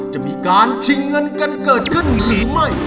จะมีการชิงเงินกันเกิดขึ้นหรือไม่